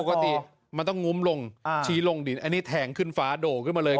ปกติมันต้องงุ้มลงชี้ลงดินอันนี้แทงขึ้นฟ้าโด่ขึ้นมาเลย